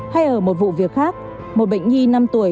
hay ở một vụ việc khác một bệnh nhi năm tuổi